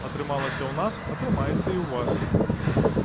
Атрымалася ў нас, атрымаецца і ў вас.